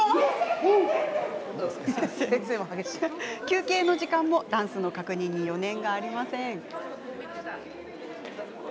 休憩の時間もダンスの確認に余念がありません。